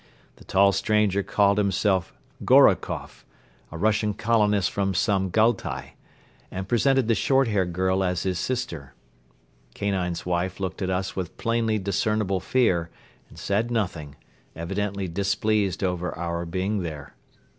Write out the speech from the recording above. The tall stranger called himself Gorokoff, a Russian colonist from Samgaltai, and presented the short haired girl as his sister. Kanine's wife looked at us with plainly discernible fear and said nothing, evidently displeased over our being there.